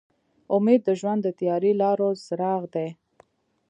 امید د ژوند د تیاره لارو څراغ دی.